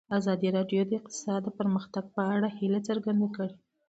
ازادي راډیو د اقتصاد د پرمختګ په اړه هیله څرګنده کړې.